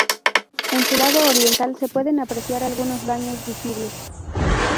En su lado oriental se pueden apreciar algunos daños visibles.